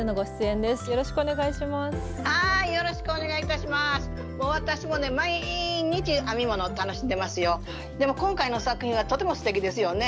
でも今回の作品はとてもすてきですよね。